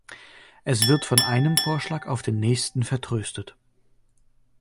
Es wird von einem Vorschlag auf den nächsten vertröstet.